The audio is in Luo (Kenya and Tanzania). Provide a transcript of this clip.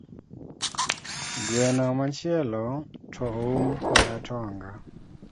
Gweno machielo to oum kod atonga